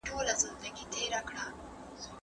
تاسې باید خپلو ماشومانو ته د مطالعې عادت ورکړئ.